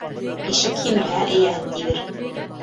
Ишәк һимерһә, эйәһен тибер.